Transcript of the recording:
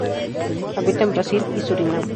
Habita en Brasil y Surinam.